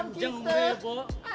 panjang om rebo